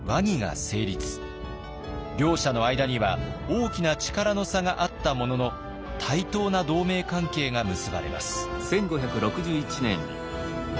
両者の間には大きな力の差があったものの対等な同盟関係が結ばれます。